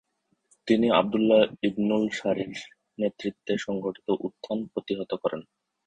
তিনি আবদুল্লাহ ইবনুল সারির নেতৃত্বে সংঘটিত উত্থান প্রতিহত করেন।